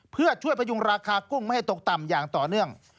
เพื่อช่วยพยุงราคากุ้งไม่ให้ตกต่ำอย่างต่อเนื่อง